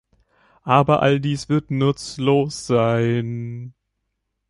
Aber all dies wird nutzlos sein.